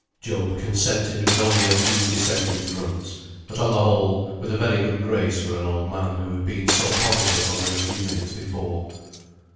Job consented with only a few dissenting grunts; but on the whole, with a very good grace for an old man who had been so positive only a few minutes before.